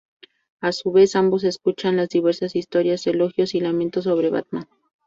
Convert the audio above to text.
A su vez, ambos escuchan las diversas historias, elogios y lamentos sobre Batman.